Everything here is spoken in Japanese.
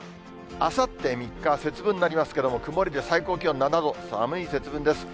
あさって３日は節分になりますけれども、曇りで、最高気温７度、寒い節分です。